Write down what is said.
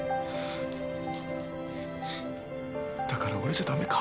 だから俺じゃ駄目か？